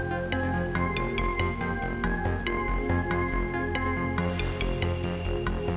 karena kamu tidak bisa berbuat apa apa